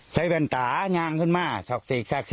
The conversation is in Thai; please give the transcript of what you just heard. ใช้แบนตางางขึ้นมาสักสิก